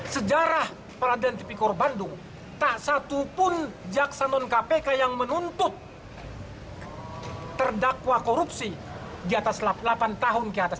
sejarah peradilan tipikor bandung tak satupun jaksa non kpk yang menuntut terdakwa korupsi di atas delapan tahun ke atas